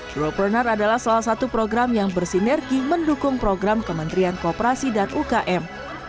growpreneur adalah salah satu program yang bersinergi mendukung program kementerian kooperasi dan ukm